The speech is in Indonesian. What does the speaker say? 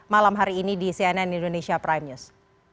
malam hari ini di cnn indonesia prime news